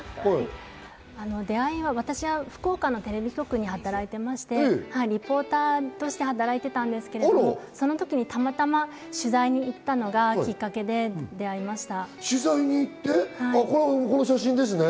私は福岡のテレビ局で働いてまして、リポーターとして働いてたんですが、その時にたまたま取材に行ったのがきっかけで出会いました。